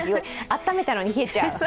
温めたのに冷えちゃう。